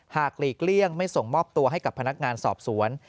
หลีกเลี่ยงไม่ส่งมอบตัวให้กับพนักงานสอบสวน